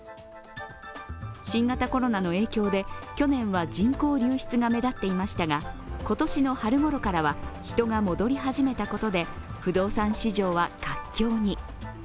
新型コロナの影響で去年は人口流出が目立っていましたが今年の春ごろからは人が戻り始めたことで不動産市場は活況に。